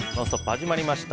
始まりました。